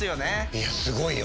いやすごいよ